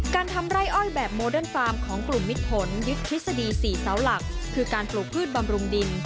ทำไร่อ้อยแบบโมเดิร์ฟาร์มของกลุ่มมิดผลยึดทฤษฎี๔เสาหลักคือการปลูกพืชบำรุงดิน